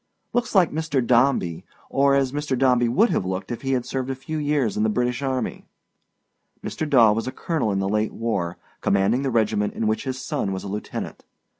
Looks like Mr. Dombey, or as Mr. Dombey would have looked if he had served a few years in the British Army. Mr. Daw was a colonel in the late war, commanding the regiment in which his son was a lieutenant.